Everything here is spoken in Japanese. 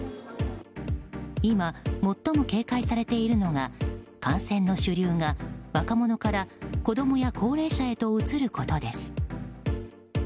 今、最も警戒されているのが感染の主流が若者から子供や高齢者へとうつることです。